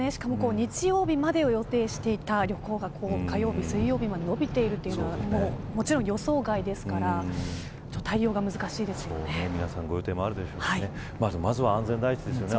日曜日までを予定していた旅行が火曜日、水曜日まで延びているというのは予想外ですからまずは安全第一ですね。